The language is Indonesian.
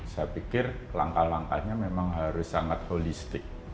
saya pikir langkah langkahnya memang harus sangat holistik